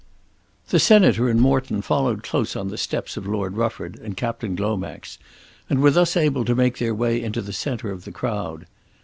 The Senator and Morton followed close on the steps of Lord Rufford and Captain Glomax and were thus able to make their way into the centre of the crowd.